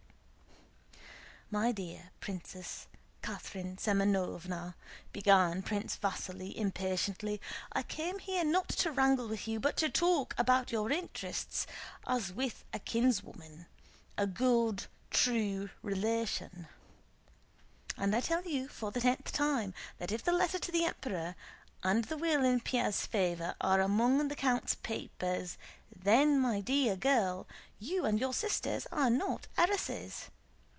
"My dear Princess Catherine Semënovna," began Prince Vasíli impatiently, "I came here not to wrangle with you, but to talk about your interests as with a kinswoman, a good, kind, true relation. And I tell you for the tenth time that if the letter to the Emperor and the will in Pierre's favor are among the count's papers, then, my dear girl, you and your sisters are not heiresses!